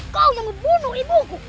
kau yang membunuh ibuku